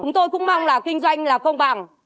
chúng tôi cũng mong là kinh doanh là công bằng